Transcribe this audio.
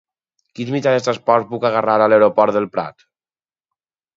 Quins mitjans de transport puc agafar a l'aeroport del Prat?